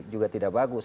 juga tidak bagus